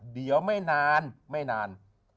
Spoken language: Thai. เดี๋ยวไม่นานไม่นาน